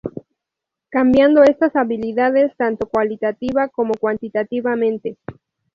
Cambiando estas habilidades tanto cualitativa como cuantitativamente.